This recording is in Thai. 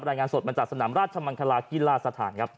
รายงานสดมาจากสนามราชมังคลากีฬาสถานครับ